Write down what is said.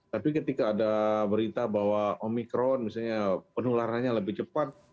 tapi ketika ada berita bahwa omikron misalnya penularannya lebih cepat